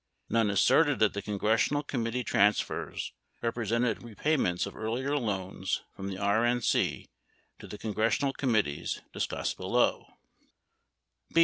Nunn asserted that the congressional committee transfers represented repayments of earlier loans from the RNC to the congressional committees, discussed below.